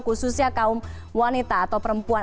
khususnya kaum wanita atau perempuan